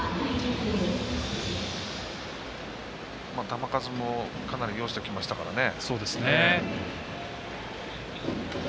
球数もかなり要してきましたからね。